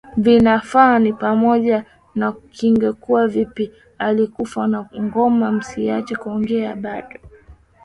vinafaa ni pamoja na Ingekuwa Vipi Alikufa Kwa Ngoma Msiache Kuongea Bado